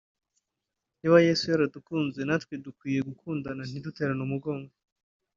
niba Yesu yaradukunze natwe dukwiye gukundana ntiduterane umugongo